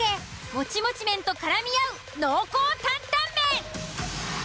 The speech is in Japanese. もちもち麺とからみ合う濃厚担々麺。